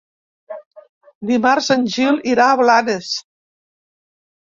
Dimarts en Gil irà a Blanes.